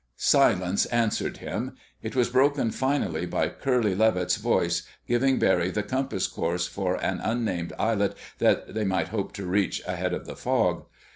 Silence answered him. It was broken finally by Curly Levitt's voice giving Barry the compass course for an unnamed islet that they might hope to reach ahead of the fog.